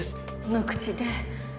無口で。